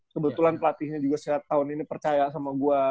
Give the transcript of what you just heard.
kebetulan pelatihnya juga tahun ini percaya sama gue